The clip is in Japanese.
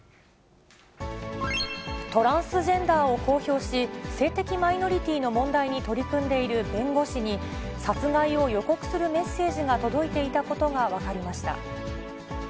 トランスジェンダーを公表し、性的マイノリティーの問題に取り組んでいる弁護士に、殺害を予告するメッセージが届いていたことが分かりました。